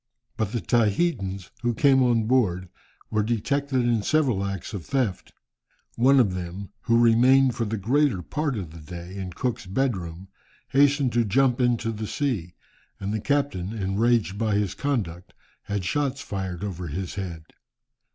But the Tahitans who came on board were detected in several acts of theft. One of them, who remained for the greater part of the day in Cook's bedroom, hastened to jump into the sea, and the captain, enraged by his conduct, had shots fired over his head.